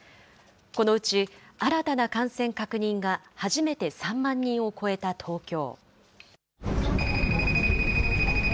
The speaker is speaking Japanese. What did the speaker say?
このうち新たな感染確認が初めて３万人を超えた東京。